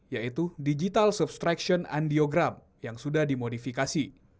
yaitu digital substraction andiogram yang sudah dimodifikasi